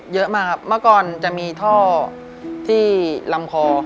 เยอะมากครับเมื่อก่อนจะมีท่อที่ลำคอ